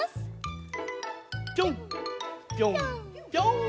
ぴょんぴょんぴょん！